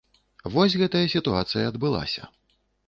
Вось гэтая сітуацыя адбылася.